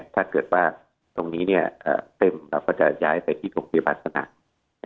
ถ้าเกิดว่าตรงนี้เต็มเราก็จะย้ายไปที่โรงพยาบาลสนาม